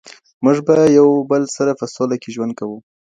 موږ به یو بل سره په سوله کې ژوند کوو.